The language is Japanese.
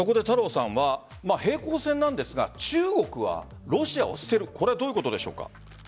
太郎さんは、平行線なんですが中国はロシアを捨てるこれはどういうことでしょうか？